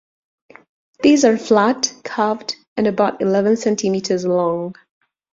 These are flat, curved, and about eleven centimetres long.